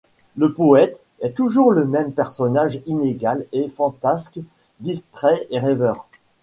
Le poëte est toujours le même personnage inégal et fantasque, distrait et rêveur.